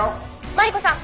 「マリコさん